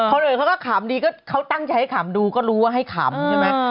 คนอื่นเขาก็ขำดีก็เขาตั้งใจให้ขำดูก็รู้ว่าให้ขำใช่ไหม